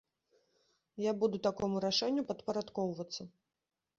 Я буду такому рашэнню падпарадкоўвацца.